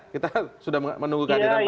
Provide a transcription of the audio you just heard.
kita sudah menunggu kehadiran pak kapitra